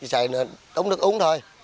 thì sử dụng nước uống thôi